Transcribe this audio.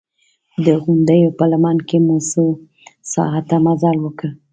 د غونډیو په لمن کې مو څو ساعته مزل وکړ.